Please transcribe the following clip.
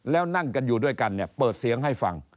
แล้วนั่งกันอยู่ด้วยกันเนี่ยเปิดเสียงให้ฟัง